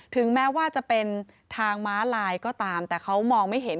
ถึงแม้ว่าจะเป็นทางม้าลายก็ตามแต่เขามองไม่เห็น